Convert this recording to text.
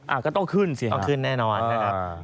ก็ต้องขึ้นสิต้องขึ้นแน่นอนนะครับ